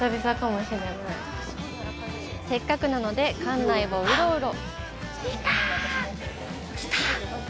せっかくなので、館内をうろうろ。